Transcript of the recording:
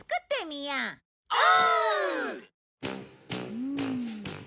うん。